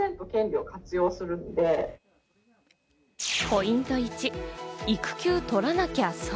ポイント１、育休とらなきゃ損。